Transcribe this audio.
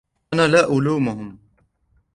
أنا لا ألومهم.